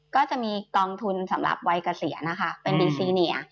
ก็จะมีกองทุนสำหรับวัยเกษียณนะคะเป็นบีซีเนีย